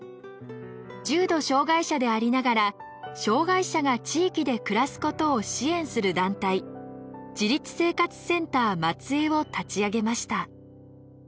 重度障がい者でありながら障がい者が地域で暮らすことを支援する団体自立生活センター・松江を立ち上げました。